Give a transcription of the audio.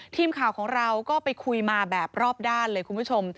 ทีมข่าวของเราก็ไปคุยมาแบบรอบด้านเลยคุณผู้ชม